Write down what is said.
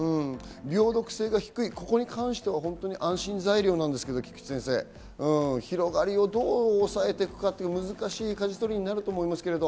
病毒性が低い、ここに関しては安心材料なんですけど、菊地先生、広がりをどう抑えていくか、難しい舵取りになると思いますけど。